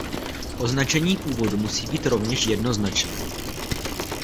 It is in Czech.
Označení původu musí být rovněž jednoznačné.